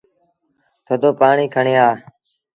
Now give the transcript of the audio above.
ٿڌو پآڻيٚ کڻي آ۔